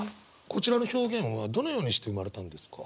こちらの表現はどのようにして生まれたんですか？